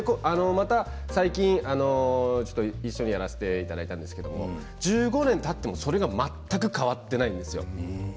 また最近、一緒にやらせていただいたんですけど１５年たっても、それが全く変わっていないんですよ。